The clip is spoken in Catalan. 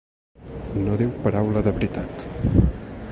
No diu paraula de veritat.